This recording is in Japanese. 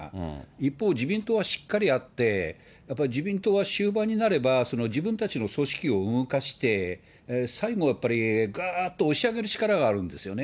一方、自民党はしっかりやって、やっぱ、自民党は終盤になれば、自分たちの組織を動かして、最後やっぱり、ぐーっと押し上げる力があるんですよね。